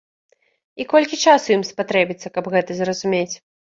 І колькі часу ім спатрэбіцца, каб гэта зразумець?